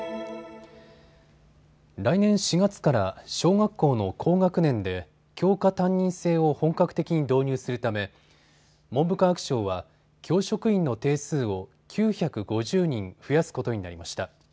来年４月から小学校の高学年で教科担任制を本格的に導入するため文部科学省は教職員の定数を９５０人増やすことになりました。